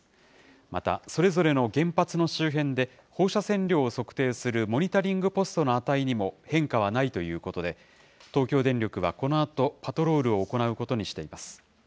また、それぞれの原発の周辺で、放射線量を測定するモニタリングポストの値にも変化はないということで、東京電力はこのあと、パトロールを行うことにしています。